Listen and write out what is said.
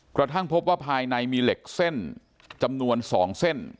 กระทั่งพบว่าภายในมีเหล็กเส้นจำนวน๒เส้น